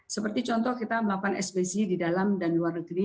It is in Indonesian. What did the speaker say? seperti contoh kita melakukan sbc di dalam dan luar negeri